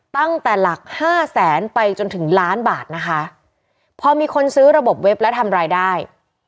ตั้งแต่หลักห้าแสนไปจนถึงล้านบาทนะคะพอมีคนซื้อระบบเว็บและทำรายได้